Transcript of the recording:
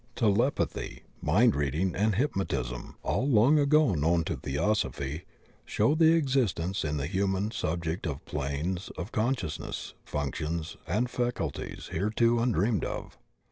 Telep 12 THE OCEAN OF THEOSOPHY athy, mind reading, and hypnotism, all long ago known to Theosophy, show the existence in the human subject of planes of consciousness, functions, and fac ulties hitherto undreamed of.